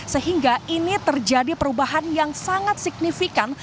sehingga ini terjadi perubahan yang sangat signifikan